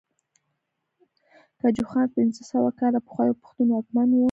ګجوخان پنځه سوه کاله پخوا يو پښتون واکمن وو